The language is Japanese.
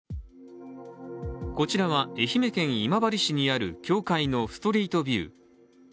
こちらは、愛媛県今治市にある教会のストリートビュー。